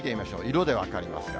色で分かりますが。